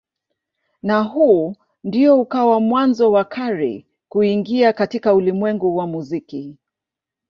Na huu ndio ukawa mwanzo wa Carey kuingia katika ulimwengu wa muziki.